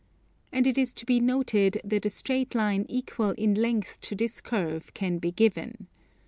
And it is to be noted that a straight line equal in length to this curve can be given.